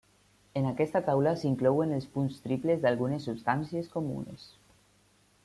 En aquesta taula s'inclouen els punts triples d'algunes substàncies comunes.